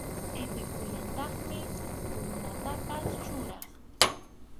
Qʼipiqkunallataqmi karunatapas churaq.